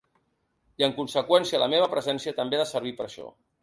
I en conseqüència la meva presència també ha de servir per a això.